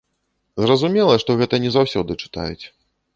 Зразумела, што гэта не заўсёды чытаюць.